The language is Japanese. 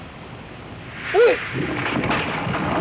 おい！